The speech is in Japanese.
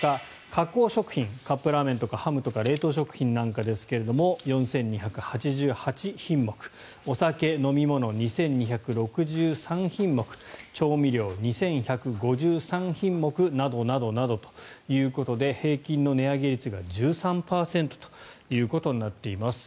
加工食品カップラーメンとかハムとか冷凍食品なんかですが４２８８品目お酒、飲み物、２２６３品目調味料、２１５３品目などなどということで平均の値上げ率が１３％ということになっています。